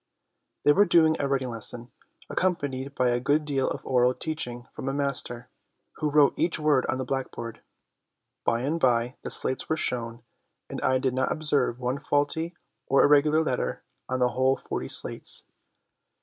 They were doing a writing lesson, accompanied by a good deal of oral teaching from a master, who wrote each word on the blackboard. By and by the slates were shown, and I did not observe one faulty or irregular letter on the whole forty slates.